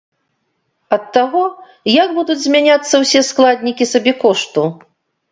Ад таго, як будуць змяняцца ўсе складнікі сабекошту.